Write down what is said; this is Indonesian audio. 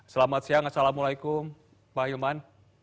selamat siang assalamualaikum pak hilman